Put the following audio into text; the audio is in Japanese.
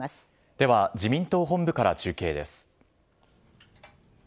では、自民党本部から中継です。